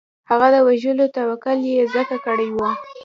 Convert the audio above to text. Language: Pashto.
هغه د وژلو تکل یې ځکه کړی وو.